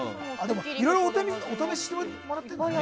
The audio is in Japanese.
いろいろお試ししてもらってるんだね。